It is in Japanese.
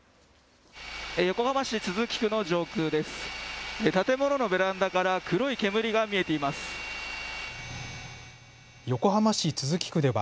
横浜市都筑区の上空です。